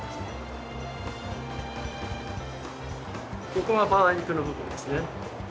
ここがバラ肉の部分ですね。